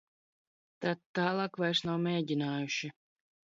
Tad tālāk vairs nav mēģinājuši.